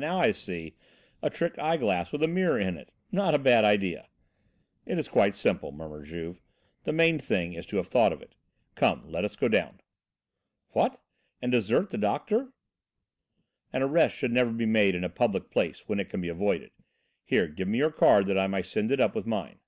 Now I see! A trick eye glass, with a mirror in it not a bad idea." "It is quite simple," murmured Juve. "The main thing is to have thought of it. Come, let us go down." "What? And desert the doctor?" "An arrest should never be made in a public place when it can be avoided. Here, give me your card that I may send it up with mine."